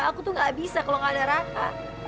aku tuh gak bisa kalo gak ada raka